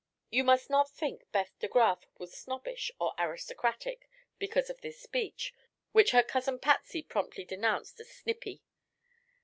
You must not think Beth de Graf was snobbish or aristocratic because of this speech, which her cousin Patsy promptly denounced as "snippy."